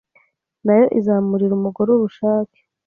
nayo izamurira umugore ubushake